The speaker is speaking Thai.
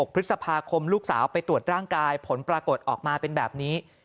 พฤษภาคมลูกสาวไปตรวจร่างกายผลปรากฏออกมาเป็นแบบนี้